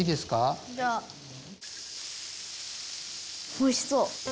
おいしそう！